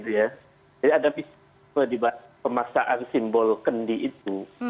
jadi ada misi yang dibuat pemasakan simbol kendi itu